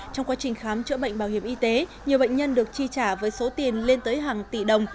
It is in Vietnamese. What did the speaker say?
trong quá trình khám chữa bệnh bảo hiểm y tế nhiều bệnh nhân được chi trả với số tiền lên tới hàng tỷ đồng